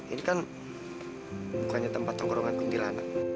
ini kan bukannya tempat congkrongan kuntilanak